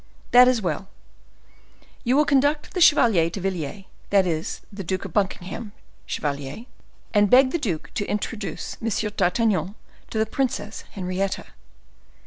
"That is well. You will conduct the chevalier to Villiers; that is the Duke of Buckingham, chevalier; and beg the duke to introduce M. d'Artagnan to the Princess Henrietta."